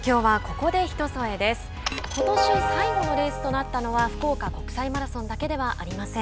ことし最後のレースとなったのは福岡国際マラソンだけではありません。